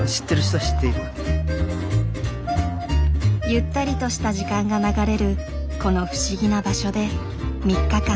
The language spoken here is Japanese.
ゆったりとした時間が流れるこの不思議な場所で３日間。